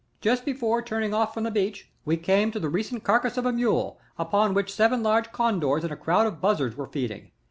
"Just before turning off from the beach, we came to the recent carcass of a mule, upon which seven large Condors and a crowd of buzzards were feasting.